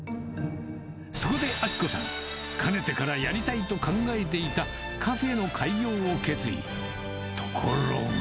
そこでアキ子さん、かねてからやりたいと考えていたカフェの開業を決意。